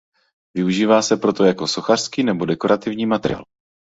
Využívá se proto jako sochařský nebo dekorativní materiál.